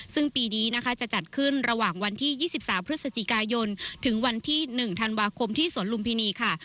ซึ่งปีนี้นะคะจะจัดขึ้นระหว่างวันที่๒๓พฤศจิกายนถึงวันที่๑ธันวาคมที่สวนลุมพินีค่ะ